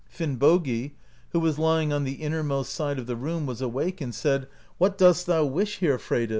Finnbogi, who was lying on the innermost side of the room, was awake, and said: "What dost thou wish here, Freydis?"